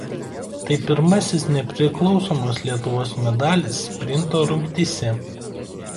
Tai pirmasis nepriklausomos Lietuvos medalis sprinto rungtyse.